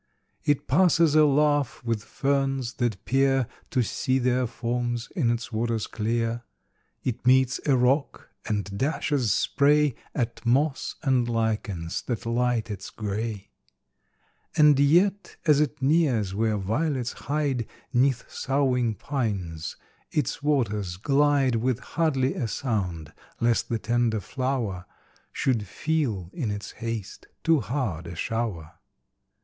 It passes a laugh with ferns that peer To see their forms in its waters clear; It meets a rock, and dashes spray At moss and lichens that light its gray; And yet, as it nears where violets hide 'Neath soughing pines, its waters glide With hardly a sound, lest the tender flower Should feel, in its haste, too hard a shower.